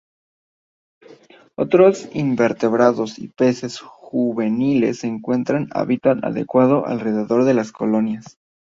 Otros invertebrados y peces juveniles encuentran hábitat adecuado alrededor de las colonias.